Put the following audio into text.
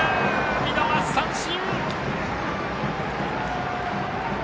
見逃し三振！